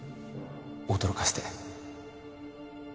驚かせて。